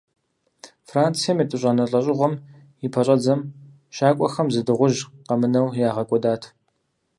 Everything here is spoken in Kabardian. Францием, етӀощӀанэ лӀэжьыгъуэм и пэщӀэдзэм, щакӏуэхэм зы дыгъужь къэмынэу, ягъэкӀуэдат.